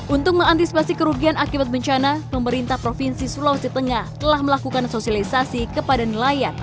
untuk mengantisipasi kerugian akibat bencana pemerintah provinsi sulawesi tengah telah melakukan sosialisasi kepada nelayan